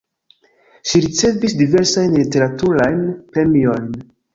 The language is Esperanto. Ŝi ricevis diversajn literaturajn premiojn.